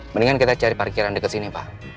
mendingan kita cari parkiran dekat sini pak